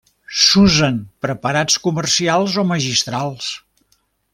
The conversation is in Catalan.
S'usen preparats comercials o magistrals.